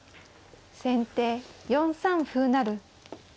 先手４三歩成。